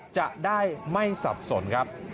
จะได้ไม่สับสนครับ